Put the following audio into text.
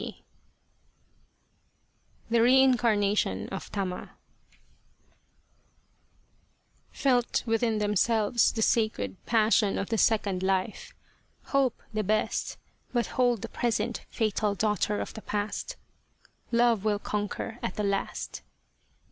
95 The Reincarnation of Tama ' Felt within themselves the sacred passion of the second life. Hope the best, but hold the Present fatal daughter of the Past. Love will conquer at the last."